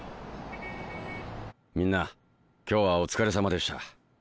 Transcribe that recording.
みんな今日はお疲れさまでした。